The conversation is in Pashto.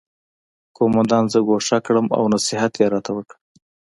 قومندان زه ګوښه کړم او نصیحت یې راته وکړ